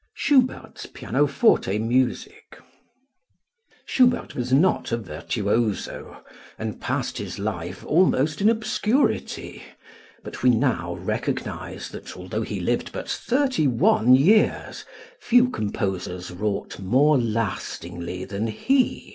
Schubert's Pianoforte Music. Schubert was not a virtuoso and passed his life almost in obscurity, but we now recognize that, although he lived but thirty one years, few composers wrought more lastingly than he.